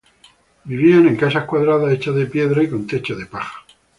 Vivían en casas cuadradas, hechas de piedra y con techo de paja.